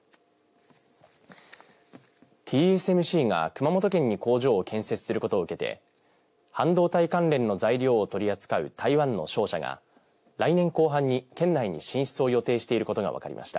ＴＳＭＣが熊本県に工場を建設することを受けて半導体関連の材料を取り扱う台湾の商社が来年後半に県内に進出を予定していることが分かりました。